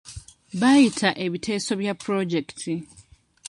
Bayita ebiteeso bya pulojekiti.